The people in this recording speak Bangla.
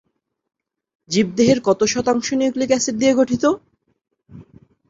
জীবদেহের কত শতাংশ নিউক্লিক এসিড দিয়ে গঠিত?